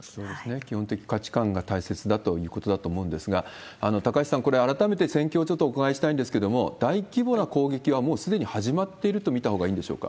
基本的価値観が大切だということだと思うんですが、高橋さん、これ、改めて戦況をちょっとお伺いしたいと思うんですけれども、大規模な攻撃はもうすでに始まっていると見たほうがいいんでしょうか？